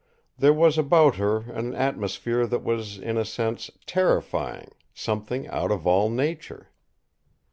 There was about her an atmosphere that was, in a sense, terrifying, something out of all nature.